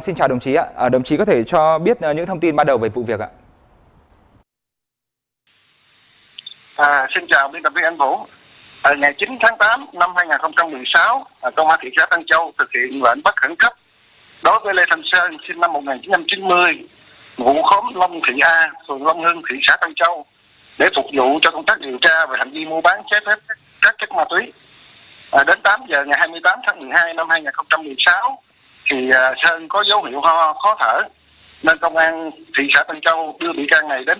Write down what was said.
xin chào quý vị và các bạn